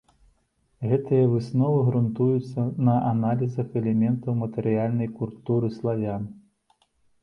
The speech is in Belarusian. Гэтыя высновы грунтуюцца на аналізах элементаў матэрыяльнай культуры славян.